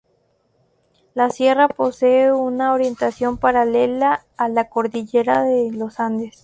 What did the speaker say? La sierra posee una orientación paralela a la cordillera de los Andes.